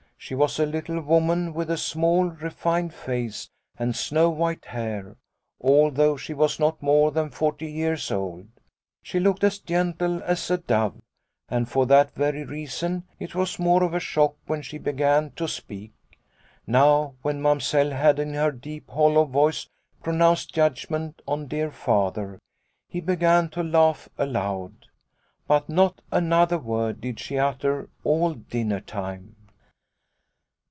She was a little woman with a small, refined face and snow white hair, although she was not more than forty years old. She looked as gentle as a dove, and for that very reason it was more of a shock when she began to speak. " Now when Mamsell had in her deep, hollow voice pronounced judgment on dear Father, he began to laugh aloud. But not another word did she utter all dinner time."